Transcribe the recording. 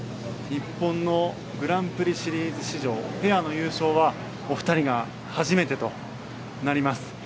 日本のグランプリシリーズ史上ペアの優勝はお二人が初めてとなります。